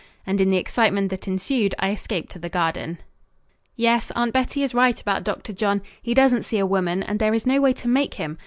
And in the excitement that ensued I escaped to the garden. Yes, Aunt Bettie is right about Dr. John; he doesn't see a woman, and there is no way to make him.